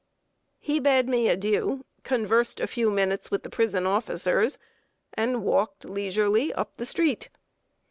He bade me adieu, conversed a few minutes with the prison officers, and walked leisurely up the street.